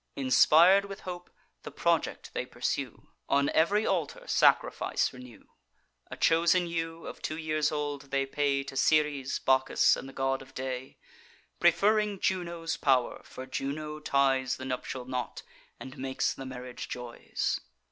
Inspir'd with hope, the project they pursue; On ev'ry altar sacrifice renew: A chosen ewe of two years old they pay To Ceres, Bacchus, and the God of Day; Preferring Juno's pow'r, for Juno ties The nuptial knot and makes the marriage joys.